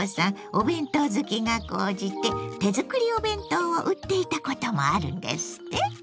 お弁当好きが高じて手作りお弁当を売っていたこともあるんですって？